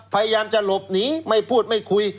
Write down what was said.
พยายามจะหลบหนีไม่พูดไม่คุย